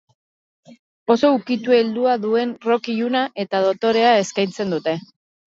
Oso ukitu heldua duen rock iluna eta dotorea eskaintzen dute.